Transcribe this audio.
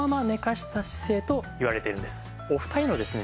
お二人のですね